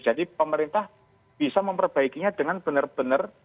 jadi pemerintah bisa memperbaikinya dengan benar benar